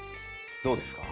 どうですか？